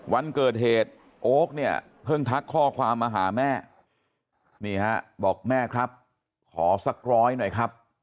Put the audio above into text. วันเกิดเหตุโอ๊คเนี่ยเพิ่งทักข้อความมาหาแม่นี่ฮะบอกแม่ครับขอสักร้อยหน่อยครับ